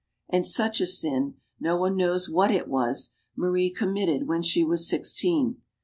And such a sin no one knows what it was Marie committed when she was sixteen.